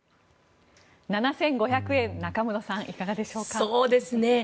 ７５００円中室さん、いかがでしょうか。